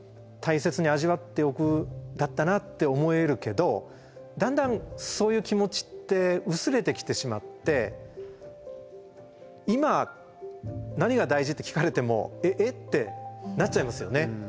大切に味わっておくんだったなって思えるけどだんだんそういう気持ちって薄れてきてしまって「今何が大事？」って聞かれても「え？」ってなっちゃいますよね。